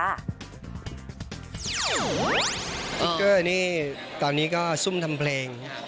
ติ๊กเกอร์นี่ตอนนี้ก็ซุ่มทำเพลง